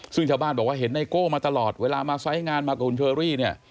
ซึ่งชาวบ้านบอกว่าเห็นไนโก้มาตลอดเวลามาไซส์งานมากับคุณเชอรี่เนี่ย